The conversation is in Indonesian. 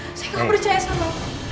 gak ada apa apa